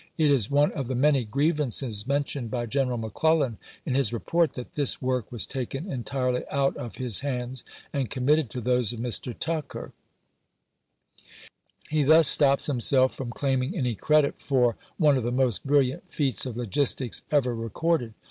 It is one of the many gi'ievances mentioned by G eneral McClellan in his w. r. report, that this work was taken entirely out of p. "so." his hands and committed to those of Mr. Tucker ; he thus estops himself from claiming any credit for one of the most brilliant feats of logistics ever recorded.